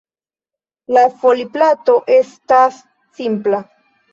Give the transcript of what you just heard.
La foliplato estas simpla.